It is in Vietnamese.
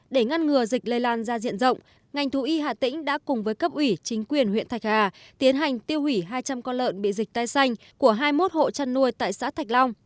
để ngăn ngừa dịch lây lan ra diện rộng ngành thú y hà tĩnh đã cùng với cấp ủy chính quyền huyện thạch hà tiến hành tiêu hủy hai trăm linh con lợn bị dịch tai xanh của hai mươi một hộ chăn nuôi tại xã thạch long